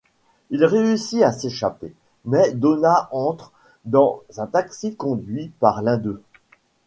Il réussit à s'échapper, mais Donna entre dans un taxi conduit par l'un d'eux.